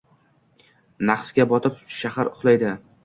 Nahsga botib shahar uxlaydi.